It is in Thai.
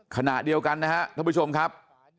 ขณะเดียวกันนะครับท่านผู้ชมครับ